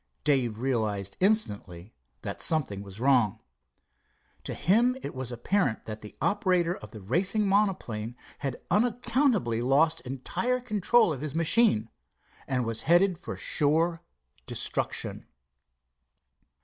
Dave realized instantly that something was wrong. To him it was apparent that the operator of the racing monoplane had unaccountably lost entire control of his machine, and was headed for sure destruction.